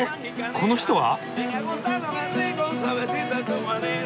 この人は？